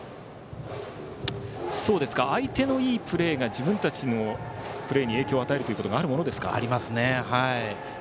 相手のいいプレーが自分たちのプレーに影響を与えることがありますね。